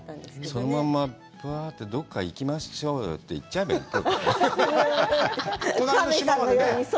そのままぷあってどこか行きましょうよって行っちゃえばいい。